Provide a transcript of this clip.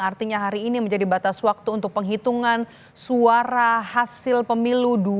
karena alat buktinya untuk penelusuran ini